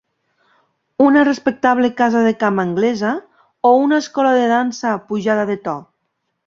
Una respectable casa de camp anglesa o una escola de dansa pujada de to?